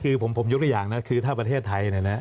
ก็คือผมยกตัวอย่างนะคือถ้าประเทศไทย